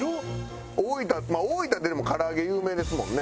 大分大分ってでも唐揚げ有名ですもんね。